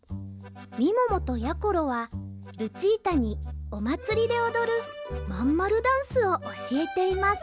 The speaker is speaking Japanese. みももとやころはルチータにおまつりでおどるまんまるダンスをおしえています